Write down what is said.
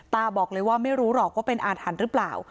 ตาบอกเลยว่าไม่รู้หรอกว่าเป็นอาถรรพ์หรือเปล่า